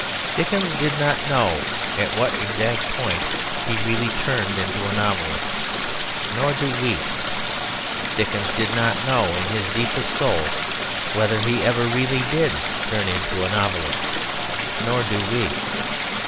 Dickens did not know at what exact point he really turned into a novelist. Nor do we. Dickens did not know, in his deepest soul, whether he ever really did turn into a novelist. Nor do we.